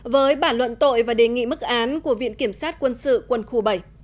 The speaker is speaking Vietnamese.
với bản luận tội và đề nghị mức án của viện kiểm sát quân sự quân khu bảy